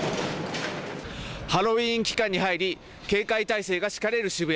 ハロウィーン期間に入り警戒態勢が敷かれる渋谷。